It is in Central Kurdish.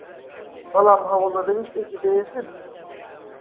بەڵام هەوڵدەدەین شتێکی بەهێزتر دروست بکەین